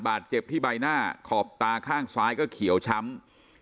บาดเจ็บที่ใบหน้าขอบตาข้างซ้ายก็เขียวช้ำ